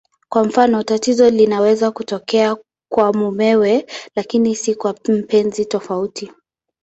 Kwa mfano, tatizo linaweza kutokea kwa mumewe lakini si kwa mpenzi tofauti.